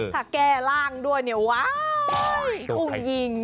ถ้าแก้ร่างด้วยเนี่ยว้ายอุ้มยิง